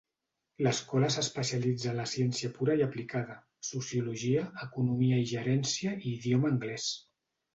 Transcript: L'escola s'especialitza en la ciència pura i aplicada, sociologia, economia i gerència i idioma anglès.